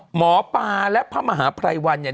หมอปลาและผ้ามหาพรรยาวัน